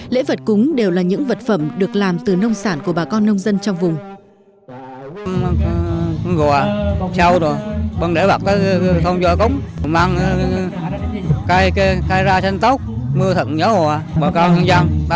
lễ vật cúng đều là những vật phẩm được làm từ nông sản của bà con nông dân trong vùng